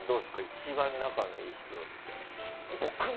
一番仲のいい人って。